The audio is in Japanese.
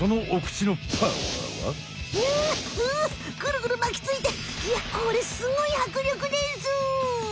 ぐるぐるまきついていやこれすごいはくりょくです！